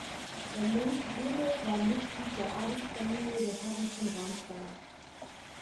Der Mönch Rumo war Mitglied der Adelsfamilie der Herren von Ramstein.